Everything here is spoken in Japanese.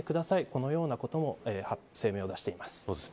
このようなことも声明を出しています。